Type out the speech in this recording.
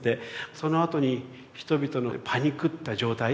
そのあとに人々のパニクった状態。